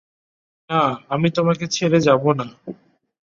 না, আমি তোমাকে ছেড়ে যাবো না।